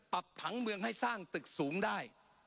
ผังเมืองให้สร้างตึกสูงได้